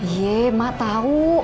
ya emak tau